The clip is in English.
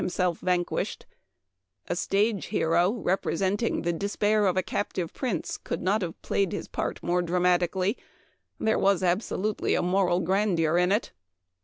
himself vanquished, hero, representing air of a captive prince, could not have played his part more dramatically. There was absolutely a moral grandeur in it.